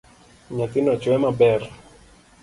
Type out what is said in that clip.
Nyathino chwe maber.